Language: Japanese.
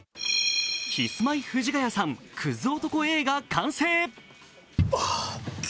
キスマイ・藤ヶ谷さん、クズ男映画完成。